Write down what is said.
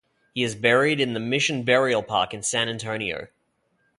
He is buried in the Mission Burial Park in San Antonio.